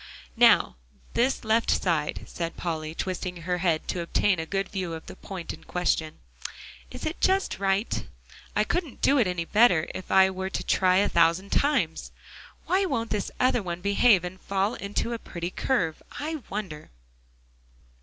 "Now this left side," said Polly, twisting her head to obtain a good view of the point in question, "is just right; I couldn't do it any better if I were to try a thousand times. Why won't this other one behave, and fall into a pretty curve, I wonder?"